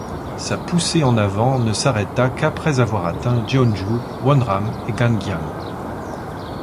Sa poussée en avant ne s’arrêta qu’après avoir atteint Jeonju, Wonram et Gangyang.